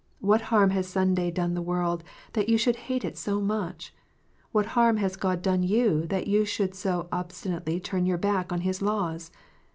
What harm has Sunday done the world, that you should hate it so much 1 What harm has God done you, that you should so obstinately turn your back on His laws?